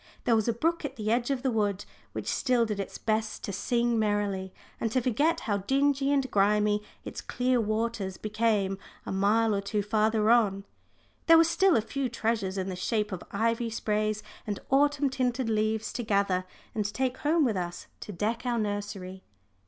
There was a brook at the edge of the wood, which still did its best to sing merrily, and to forget how dingy and grimy its clear waters became a mile or two farther on; there were still a few treasures in the shape of ivy sprays and autumn tinted leaves to gather and take home with us to deck our nursery.